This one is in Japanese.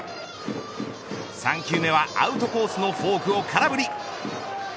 ３球目は、アウトコースのフォークを空振り。